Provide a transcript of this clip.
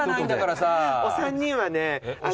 お三人はね。